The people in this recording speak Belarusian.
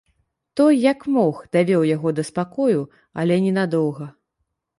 Той, як мог, давёў яго да спакою, але ненадоўга.